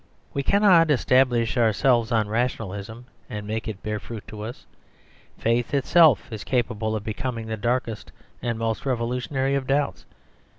We cannot establish ourselves on rationalism, and make it bear fruit to us. Faith itself is capable of becoming the darkest and most revolutionary of doubts.